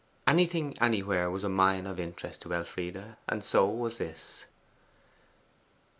Anything anywhere was a mine of interest to Elfride, and so was this.